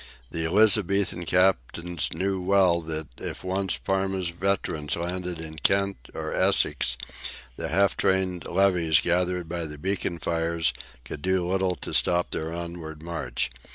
The Elizabethan captains knew well that if once Parma's veterans landed in Kent or Essex, the half trained levies gathered by the beacon fires could do little to stop their onward march.